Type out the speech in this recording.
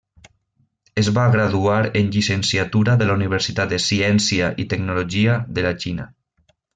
Es va graduar en llicenciatura de la Universitat de Ciència i Tecnologia de la Xina.